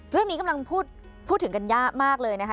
เรื่องนี้กำลังพูดถึงกันยากมากเลยนะคะ